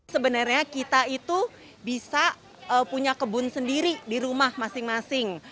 sebenarnya kita itu bisa punya kebun sendiri di rumah masing masing